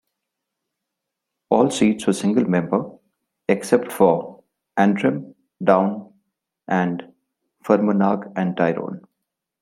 All seats were single member, except for Antrim, Down and Fermanagh & Tyrone.